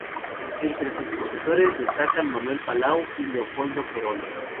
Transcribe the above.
Entre sus profesores destacan Manuel Palau y Leopoldo Querol.